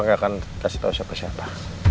papa gak akan kasih tau siapa siapa